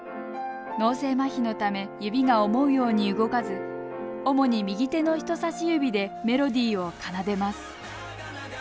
脳性まひのため指が思うように動かず主に右手の人さし指でメロディーを奏でます。